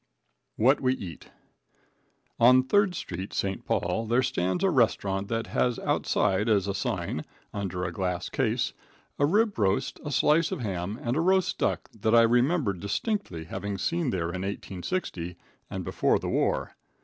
What We Eat. On 3d street, St. Paul, there stands a restaurant that has outside as a sign, under a glass case, a rib roast, a slice of ham and a roast duck that I remembered distinctly having seen there in 1860 and before the war.